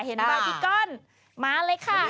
เห็นบาบิกคอนมันมาเลยค่ะ